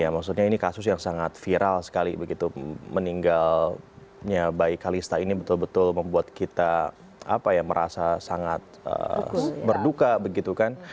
maksudnya ini kasus yang sangat viral sekali begitu meninggalnya bayi kalista ini betul betul membuat kita merasa sangat berduka begitu kan